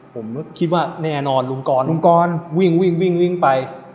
ผมคิดว่าแน่นอนลุงกรวิ่งไป